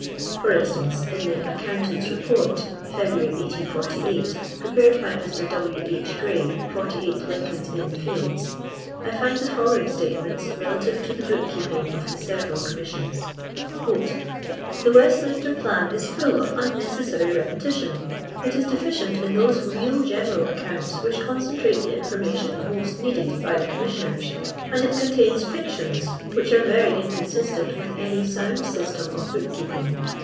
For instance, in the " Aecount ant's Report" (February, 1848), prepared by Mr. W. H. Grey, 48, Lincoln's inn fields, I find the following statements relative to the Book keeping of the several Commissions :—" The Westmiiuter plan is full of unnecessary repetition. It is deficient in those real gener^ accounts which concentrate the information most needed by the Commissioners, and it contains Jicttont which are very inconsistent with any sound system of book keeping.